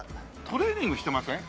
トレーニングしてません？